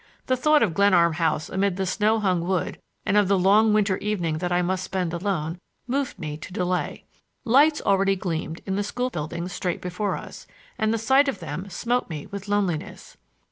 The thought of Glenarm House amid the snow hung wood and of the long winter evening that I must spend alone moved me to delay. Lights already gleamed in the school buildings straight before us and the sight of them smote me with loneliness.